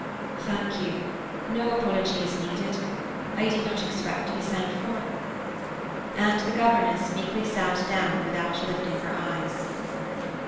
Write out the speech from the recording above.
"Thank you, no apology is needed. I did not expect to be sent for." And the governess meekly sat down without lifting her eyes.